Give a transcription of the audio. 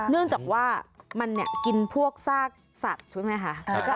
เนื่องจากว่ามันกินพวกซากสัตว์ใช่ไหมคะ